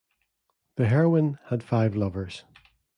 The heroine had five lovers.